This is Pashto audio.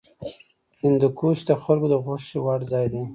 هندوکش د خلکو د خوښې وړ ځای دی.